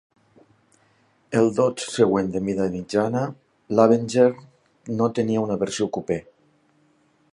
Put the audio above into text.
El Dodge següent de mida mitjana, l'Avenger, no tenia una versió cupè.